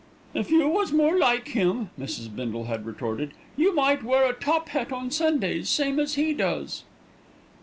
"If you was more like him," Mrs. Bindle had retorted, "you might wear a top hat on Sundays, same as he does."